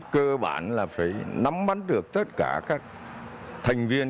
cơ bản là phải nắm mắt được tất cả các thành viên